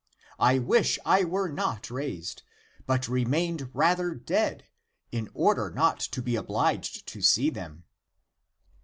I wish I were not raised, but re mained rather dead, in order not to be obliged to see them."